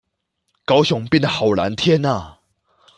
高雄變得好藍天阿